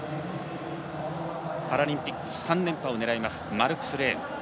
パラリンピック３連覇を狙うマルクス・レーム。